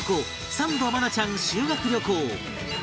サンド愛菜ちゃん修学旅行